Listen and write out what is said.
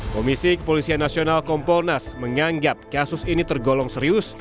komisi kepolisian nasional kompolnas menganggap kasus ini tergolong serius